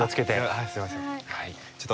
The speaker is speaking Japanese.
ああすいません。